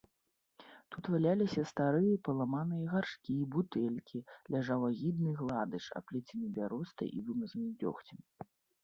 Тут валяліся старыя, паламаныя гаршкі, бутэлькі, ляжаў агідны гладыш, аплецены бяростай і вымазаны дзёгцем.